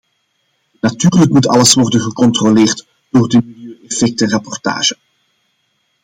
Natuurlijk moet alles worden gecontroleerd door de milieueffectrapportage.